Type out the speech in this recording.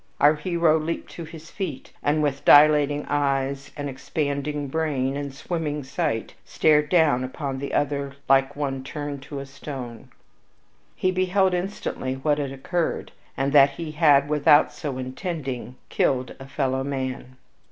Our hero leaped to his feet, and with dilating eyes and expanding brain and swimming sight stared down upon the other like one turned to a stone. He beheld instantly what had occurred, and that he had, without so intending, killed a fellow man.